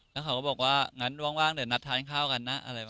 แล้วเขาก็บอกว่างั้นว่างเดี๋ยวนัดทานข้าวกันนะอะไรประมาณนี้ครับ